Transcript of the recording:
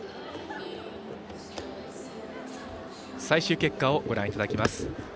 最終結果をご覧いただきます。